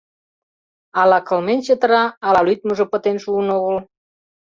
Ала кылмен чытыра, ала лӱдмыжӧ пытен шуын огыл.